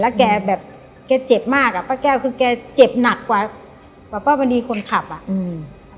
แล้วแกแบบเจ็บมากอะป้าแก้วคือแกเจ็บหนักกว่าป้าบันดีคนขับอะ